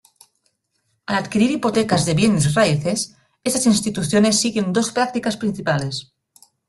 Al adquirir hipotecas de bienes raíces, estas instituciones siguen dos prácticas principales.